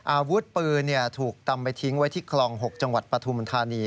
อาวุธปืนถูกตำไปทิ้งไว้ที่คลอง๖จังหวัดปฐุมธานี